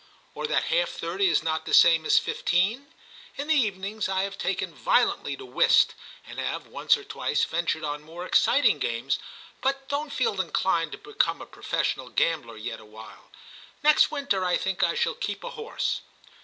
or that half thirty is not the same as fifteen ? In the evenings I have taken violently to whist, and have once or twice ventured on more exciting games, but don't feel inclined to become a professional gambler yet awhile. Next winter I think I shall keep a horse.